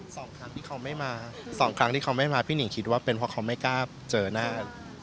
สองครั้งที่เขาไม่มาสองครั้งที่เขาไม่มาพี่หนิ่งคิดว่าเป็นเพราะเขาไม่กล้าเจอหน้า